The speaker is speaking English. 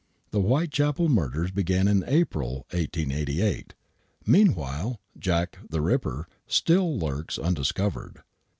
The Whitechapel murders began in April, 1888. Meanwhile "Jack, the Ripper" still lurks undiscovered.